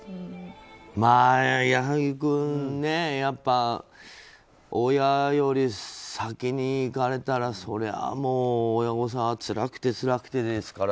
まあ、矢作君やっぱ親より先に逝かれたらそりゃ、親御さんはつらくて、つらくてですから。